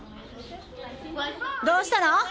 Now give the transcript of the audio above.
どうしたの？